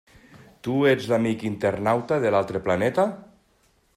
Tu ets l'amic internauta de l'altre planeta?